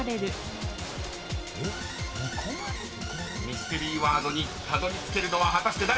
［ミステリーワードにたどりつけるのは果たして誰か？］